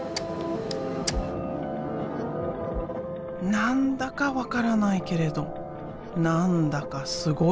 何だか分からないけれど何だかすごい。